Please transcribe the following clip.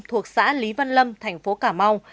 thuộc xã lý văn lâm thành phố cà mau